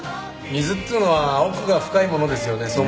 水っていうのは奥が深いものですよね。